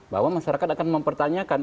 bahwa masyarakat akan mempertanyakan